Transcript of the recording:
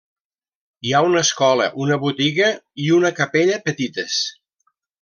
Hi ha una escola, una botiga i una capella petites.